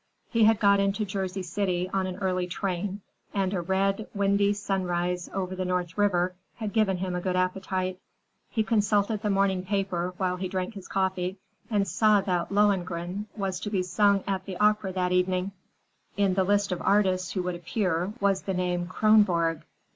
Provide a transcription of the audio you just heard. He had got into Jersey City on an early train, and a red, windy sunrise over the North River had given him a good appetite. He consulted the morning paper while he drank his coffee and saw that "Lohengrin" was to be sung at the opera that evening. In the list of the artists who would appear was the name "Kronborg."